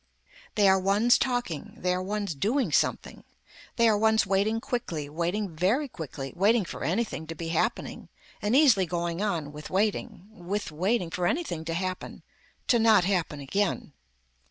They are ones talking, they are ones doing something, they are ones waiting quickly waiting very quickly waiting for anything to be happening and easily going on with waiting, with waiting for anything to happen, to not happen again.